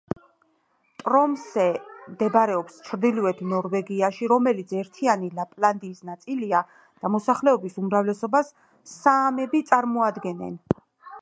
ტრომსე მდებარეობს ჩრდილოეთ ნორვეგიაში, რომელიც ერთიანი ლაპლანდიის ნაწილია და მოსახლეობის უმრავლესობას საამები წარმოადგენენ.